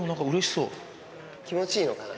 気持ちいいのかな。